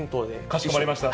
かしこまりました。